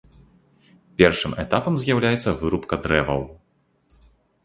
Першым этапам з'яўляецца вырубка дрэваў.